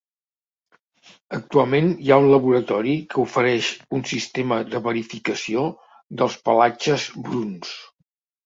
Actualment hi ha un laboratori que ofereix un sistema de verificació dels pelatges bruns.